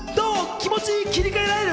気持ち切り替えられる？